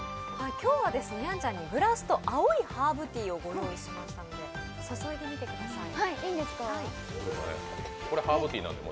今日はやんちゃんにグラスと青いハーブティーをご用意しましたので注いでみてください。